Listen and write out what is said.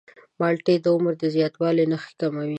مالټې د عمر د زیاتوالي نښې کموي.